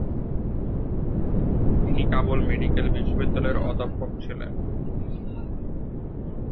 তিনি কাবুল মেডিকেল বিশ্ববিদ্যালয়ের অধ্যাপক ছিলেন।